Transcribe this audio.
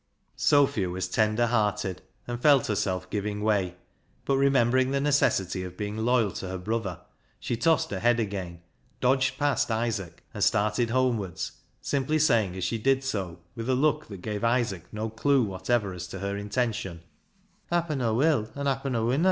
" Sophia was tender hearted, and felt herself giving way, but remembering the necessity of being loyal to her brother, she tossed her head again, dodged past Isaac, and started home wards, simply saying as she did so, with a look that gave Isaac no clue whatever as to her intention —" Happen Aw will, an' happen Aw winna."